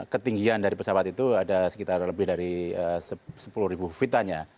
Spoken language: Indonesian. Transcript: ketinggian dari pesawat itu ada sekitar lebih dari sepuluh feet an ya